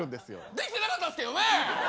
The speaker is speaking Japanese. できてなかったですけどね！